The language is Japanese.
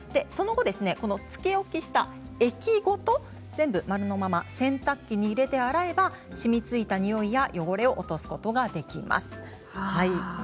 その後、つけ置きした液ごと丸のまま洗濯機に入れて洗えば染みついたにおいや汚れを落とすことができます。